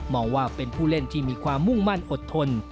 องว่าเป็นผู้เล่นที่มีความมุ่งมั่นอดทน